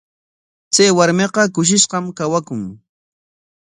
Chay warmiqa kushishqam kawakun.